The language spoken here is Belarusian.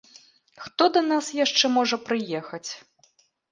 Хто да нас яшчэ можа прыехаць?